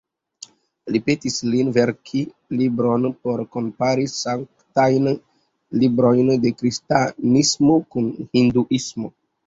Li petis lin verki libron por kompari sanktajn librojn de kristanismo kun hinduismo.